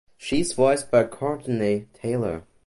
She is voiced by Courtenay Taylor.